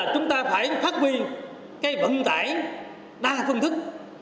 chúng ta phải phát huy cái vận tải đa phương thức